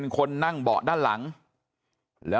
ครับคุณสาวทราบไหมครับ